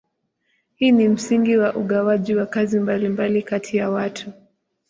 Hii ni msingi wa ugawaji wa kazi mbalimbali kati ya watu.